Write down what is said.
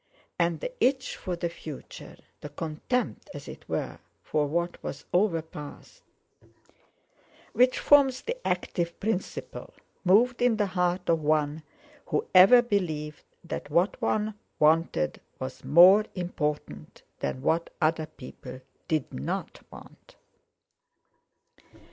And the itch for the future, the contempt, as it were, for what was overpast, which forms the active principle, moved in the heart of one who ever believed that what one wanted was more important than what other people did not want.